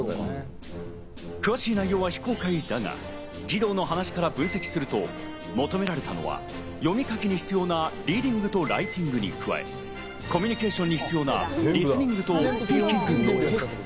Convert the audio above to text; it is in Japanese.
詳しい内容は非公開だが、義堂の話から分析すると、求められたのは読み書きに必要なリーディングとライティングに加え、コミュニケーションに必要なリスニングとスピーキング能力。